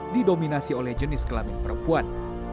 didominasi oleh jenis kelamin perempuan